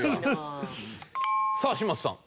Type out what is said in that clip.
さあ嶋佐さん。